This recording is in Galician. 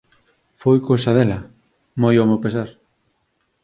Foi cousa dela, moi ao meu pesar.